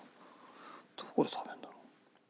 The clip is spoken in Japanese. どこで食べるんだろう？